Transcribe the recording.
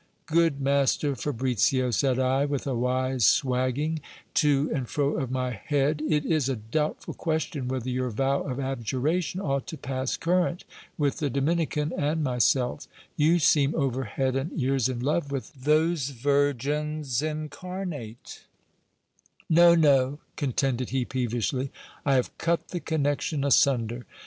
Good master Fabricio, said I, with a wise swagging to and fro of my head, it is a doubtful question whether your vow of abjuration cught to pass current with the Domhncanand myself: you seem over head and ears in love with those virgins incarnate: No, no, contended he peevishly, I have cut the connection asunder.